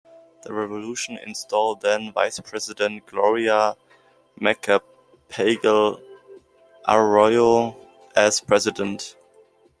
The revolution installed then Vice-President Gloria Macapagal-Arroyo as president.